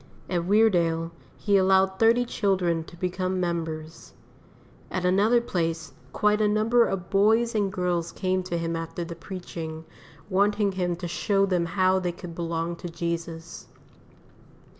At Weardale he allowed thirty children to become members. At another place quite a number of boys and girls came to him after the preaching, wanting him to show them how they could belong to Jesus.